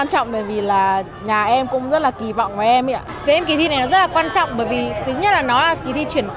học tập là cao hơn